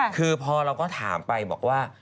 คือพอเราก็ถามไปบอกว่า